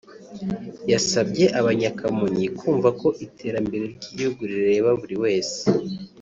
yasabye abanyakamonyi kumva ko iterambere ry’igihugu rireba buri wese